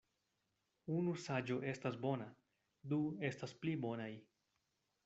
Unu saĝo estas bona, du estas pli bonaj.